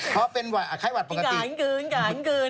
เพราะเป็นไข้หวัดปกติอันการคืนอันการคืน